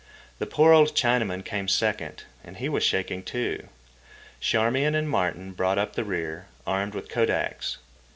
The poor old Chinaman came second, and he was shaking, too. Charmian and Martin brought up the rear, armed with kodaks.